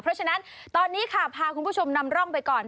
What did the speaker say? เพราะฉะนั้นตอนนี้ค่ะพาคุณผู้ชมนำร่องไปก่อน